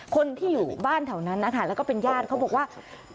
คนที่อยู่บ้านแถวนั้นนะคะแล้วก็เป็นญาติเขาบอกว่า